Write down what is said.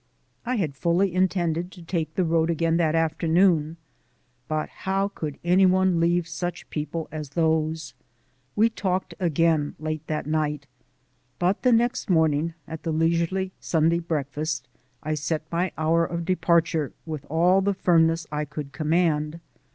I had fully intended to take the road again that afternoon, but how could any one leave such people as those? We talked again late that night, but the next morning, at the leisurely Sunday breakfast, I set my hour of departure with all the firmness I could command.